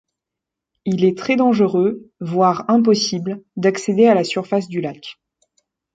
Il est très dangereux, voire impossible, d'accéder à la surface du lac.